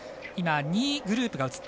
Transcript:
２位グループ